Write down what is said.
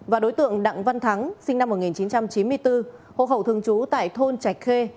và đối tượng đặng văn thắng sinh năm một nghìn chín trăm chín mươi bốn hộ khẩu thường trú tại thôn trạch khê